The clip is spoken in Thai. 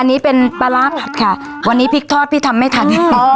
อันนี้เป็นปลาร้าผัดค่ะวันนี้พริกทอดพี่ทำไม่ทัน